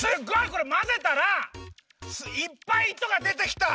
これまぜたらいっぱいいとがでてきた。